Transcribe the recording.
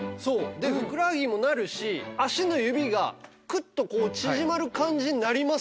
でふくらはぎもなるし足の指がクッとこう縮まる感じになりますね。